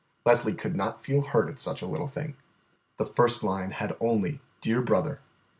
Leslie could not feel hurt at such a little thing. The first line had only "Dear Brother."